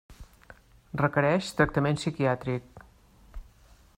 Requereix tractament psiquiàtric.